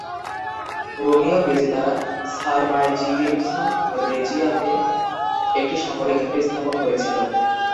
রোমীয় বিজেতারা সারমাইজিগেলুসা রেজিয়াতে একটি সামরিক ঘাটি স্থাপন করেছিল।